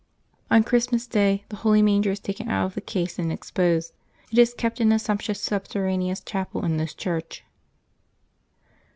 On Christmas Day the holy manger is taken out of the case, and exposed. It is kept in a sumptu ous subterraneous chapel in this church.